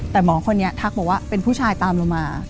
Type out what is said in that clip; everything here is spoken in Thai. แต่หมอคนนี้ทักบอกว่าเป็นผู้ชายตามเรามา